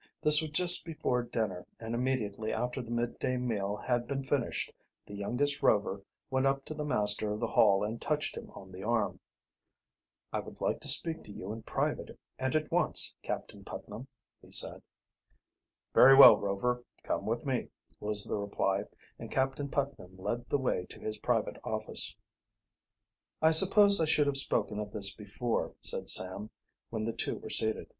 This was just before dinner, and immediately after the midday meal had been finished the youngest Rover went up to the master of the Hall and touched him on the arm. "I would like to speak to you in private and at once, Captain Putnam," he said. "Very well, Rover; come with me," was the reply, and Captain Putnam led the way to his private office. "I suppose I should have spoken of this before," said Sam, when the two were seated.